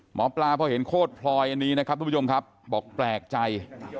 หมอปลาพอเห็นโคตรพลอยอันนี้นะครับทุกผู้ชมครับบอกแปลกใจ